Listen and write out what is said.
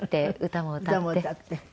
歌も歌って。